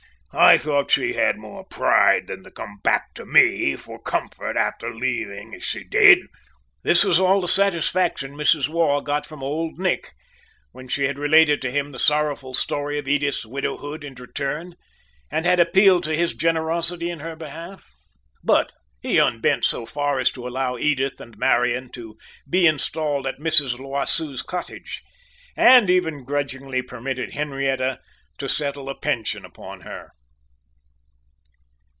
I thought she had more pride than to come back to me for comfort after leaving as she did!" This was all the satisfaction Mrs. Waugh got from Old Nick, when she had related to him the sorrowful story of Edith's widowhood and return, and had appealed to his generosity in her behalf. But he unbent so far as to allow Edith and Marian to be installed at Mrs. L'Oiseau's cottage, and even grudgingly permitted Henrietta to settle a pension upon her.